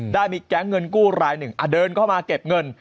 ได้มีแก๊งเงินกู้รายหนึ่งเดินเข้ามาเก็บเงิน